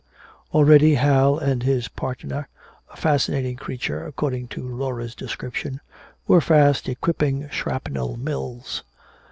Already Hal and his partner a fascinating creature according to Laura's description were fast equipping shrapnel mills.